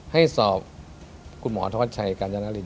๒ให้สอบคุณหมอทวชัยกันจนริน